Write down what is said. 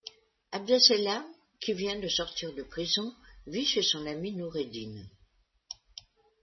Abdesselam, qui vient de sortir de prison, vit chez son ami Nourredine.